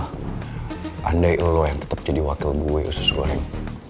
andai lo yang tetap jadi wakil gue usus goreng